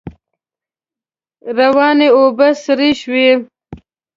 روانې اوبه سرې شوې.